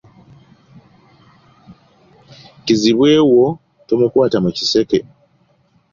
Kizibwe wo tomukwata mu kiseke.